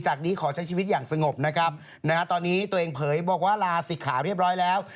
นี้ขอใช้ชีวิตอย่างสงบนะครับนะฮะตอนนี้ตัวเองเผยบอกว่าลาศิกขาเรียบร้อยแล้ว